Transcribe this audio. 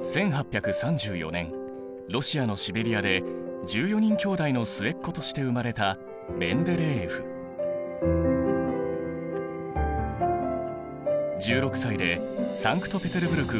１８３４年ロシアのシベリアで１４人兄弟の末っ子として生まれた１６歳でサンクトペテルブルク